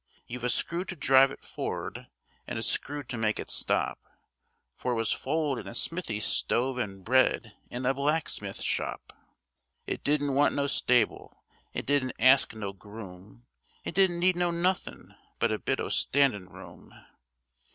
You've a screw to drive it forrard, and a screw to make it stop, For it was foaled in a smithy stove an' bred in a blacksmith shop. It didn't want no stable, it didn't ask no groom, It didn't need no nothin' but a bit o' standin' room.